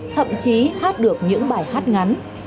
thậm chí hát được những bài hát ngắn